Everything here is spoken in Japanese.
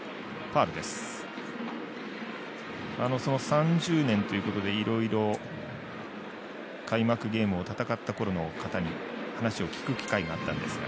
３０年ということで、いろいろ戦ったころの方に話を聞く機会があったんですが。